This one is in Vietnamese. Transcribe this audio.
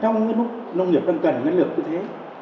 trong cái lúc nông nghiệp đang cần nguyên liệu như thế